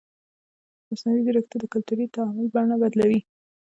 مصنوعي ځیرکتیا د کلتوري تعامل بڼه بدلوي.